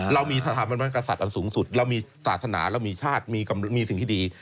เรามีสถาบันกษัตริย์อันสูงสุดเรามีศาสนาเรามีชาติมีสิ่งที่ดี